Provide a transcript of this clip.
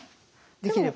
できれば。